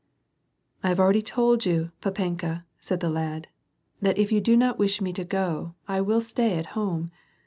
" I have already told you, papenka," said the lad, " that if you do not wish me to go, I will stay at home.